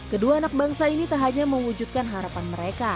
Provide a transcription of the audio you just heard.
kedua anak bangsa ini tak hanya mewujudkan harapan mereka